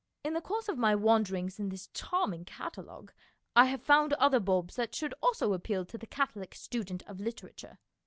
In the course of my wanderings in this charming catalogue I have found other bulbs that should also appeal to the catholic student of literature.